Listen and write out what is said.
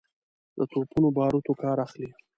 د توپونو باروتو کار اخلي.